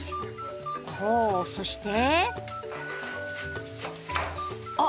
ほそして？あ！